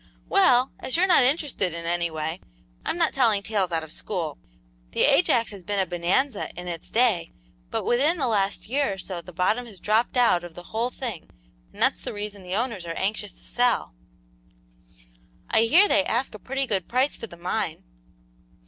"Well, as you're not interested in any way, I'm not telling tales out of school. The Ajax has been a bonanza in its day, but within the last year or so the bottom has dropped out of the whole thing, and that's the reason the owners are anxious to sell." "I hear they ask a pretty good price for the mine."